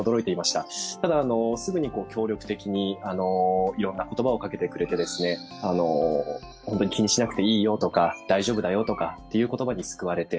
ただ、すぐに協力的にいろんな言葉をかけてくれて本当に気にしなくていいよとか大丈夫だよという言葉に救われて。